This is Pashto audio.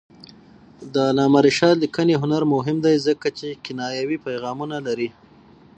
د علامه رشاد لیکنی هنر مهم دی ځکه چې کنایوي پیغامونه لري.